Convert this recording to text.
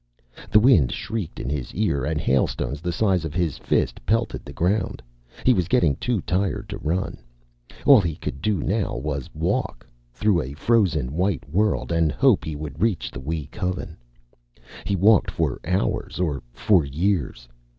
The wind shrieked in his ear, and hailstones the size of his fist pelted the ground. He was getting too tired to run. All he could do now was walk, through a frozen white world, and hope he would reach the Wee Coven. He walked for hours or for years.